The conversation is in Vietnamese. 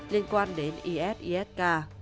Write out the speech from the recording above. liên quan đến is isk